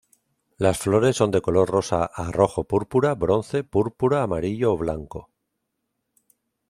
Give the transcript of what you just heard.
Las flores son de color rosa a rojo púrpura, bronce, púrpura, amarillo o blanco.